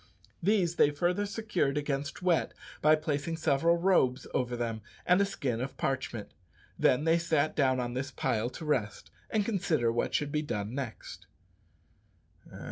These they further secured against wet by placing several robes over them and a skin of parchment. Then they sat down on this pile to rest, and consider what should be done next.